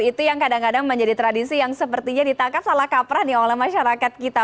itu yang kadang kadang menjadi tradisi yang sepertinya ditangkap salah kaprah nih oleh masyarakat kita